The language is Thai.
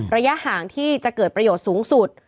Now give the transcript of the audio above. ระยะห่างที่จะเกิดประโยชน์สูงสุด